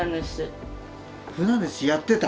船主やってた？